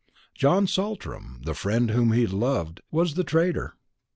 John Saltram, the friend whom he had loved, was the traitor.